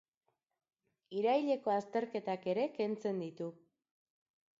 Iraileko azterketak ere kentzen ditu.